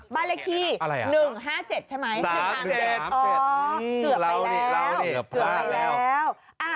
แบรคคี๑๕๗ใช่ไหม๑ทาง๘อ๋อเกือบไปแล้ว